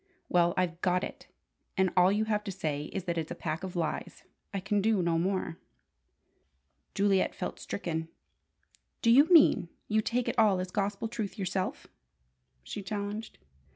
"Well, I've got it, and all you have to say is that it's a pack of lies. I can do no more." Juliet felt stricken. "Do you mean you take it all as gospel truth yourself?" she challenged.